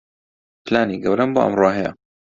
پلانی گەورەم بۆ ئەمڕۆ هەیە.